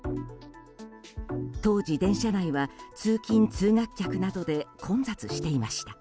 当時、電車内は通勤・通学客などで混雑していました。